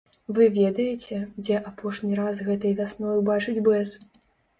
Вы ведаеце, дзе апошні раз гэтай вясной убачыць бэз?